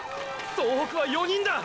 総北は４人だ！！